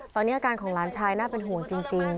ตอนนี้อาการของหลานชายน่าเป็นห่วงจริง